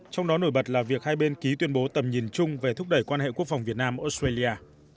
trong đó nổi bật là việc hai bên ký tuyên bố tầm nhìn chung về thúc đẩy quan hệ quốc phòng việt nam australia